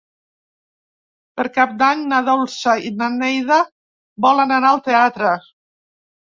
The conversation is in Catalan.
Per Cap d'Any na Dolça i na Neida volen anar al teatre.